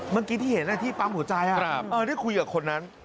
เมื่อกี้ที่เห็นที่ปั๊มหัวใจได้คุยกับคนนั้น